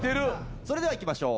それではいきましょう。